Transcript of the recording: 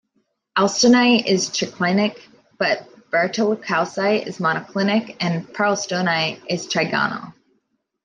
Alstonite is triclinic but barytocalcite is monoclinic and paralstonite is trigonal.